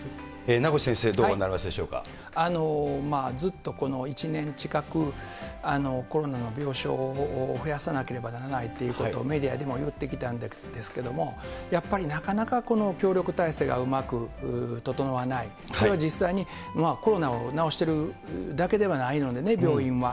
名越先生、ずっとこの１年近く、コロナの病床を増やさなければならないということをメディアでも言ってきたんですけども、やっぱりなかなか協力体制がうまく整わない、それは実際にコロナを治してるだけではないのでね、病院は。